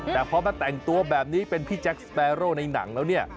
แต่พอมาแต่งตัวแบบนี้เป็นพี่แจ็คสเปโร่ในหนังแล้วเนี่ย